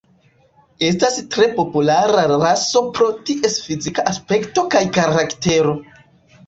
Estas tre populara raso pro ties fizika aspekto kaj karaktero.